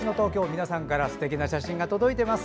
皆さんから、すてきな写真が届いています。